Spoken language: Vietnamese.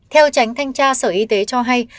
theo tránh thanh tra sở y tế cho hay